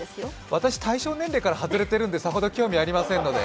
私、対象年齢から外れてるのでさほど興味ありませんので。